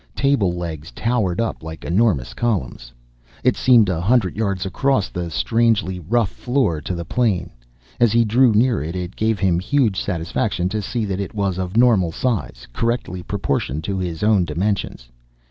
Table legs towered up like enormous columns. It seemed a hundred yards across the strangely rough floor to the plane. As he drew near it, it gave him huge satisfaction to see that it was of normal size, correctly proportioned to his own dimensions.